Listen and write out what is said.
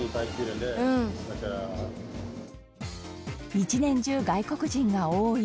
１年中、外国人が多い。